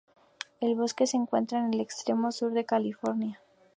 El bosque se encuentra en el extremo sur de California.